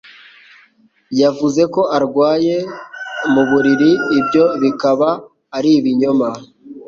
Yavuze ko arwaye mu buriri, ibyo bikaba ari ibinyoma.